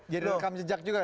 jadi rekam jejak juga ya